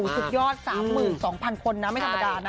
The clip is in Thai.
สุดยอด๓๒๐๐คนนะไม่ธรรมดานะ